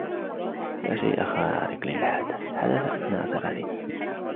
لا شيء خارق للعادة حدث أثناء سفرنا.